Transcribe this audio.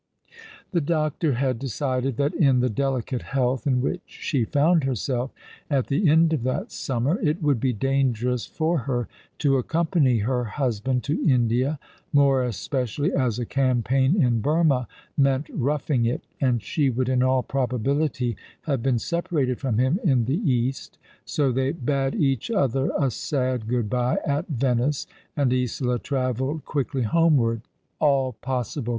The doctor had decided that, in the delicate health in which she found herself at the end of that summer, it would be dangerous for her to accompany her husband to India, more especially as a campaign in Burmah meant roughing it, and she would in all probability ^have been separated from him in the East ; so they bade each other a sad good bye at Venice, and Isola travelled quickly homeward, all pcssibla 20 All along the River.